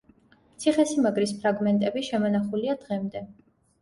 ციხესიმაგრის ფრაგმენტები შემონახულია დღემდე.